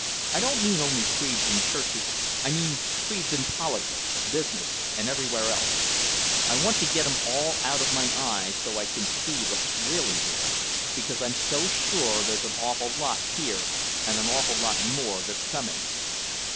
I don't mean only creeds in churches, I mean creeds in politics, business and everywhere else. I want to get 'em all out of my eyes so I can see what's really here because I'm so sure there's an awful lot here and an awful lot more that's coming.